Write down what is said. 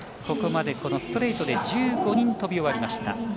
ここまでストレートで１５人飛び終わりました。